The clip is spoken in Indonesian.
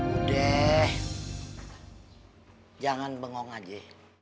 udah jangan bengong aja